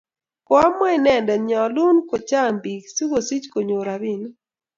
kaomwa inendet nyalun ko chang bik sikosich konyor rabinik